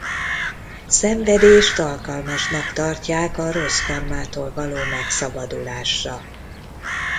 Szenvedést alkalmasnak tartják a rossz karmától való megszabadulásra.